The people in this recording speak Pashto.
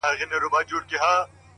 دا شی په گلونو کي راونغاړه ـ